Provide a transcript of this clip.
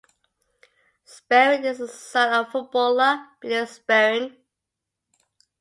Sperrin is the son of footballer Billy Sperrin.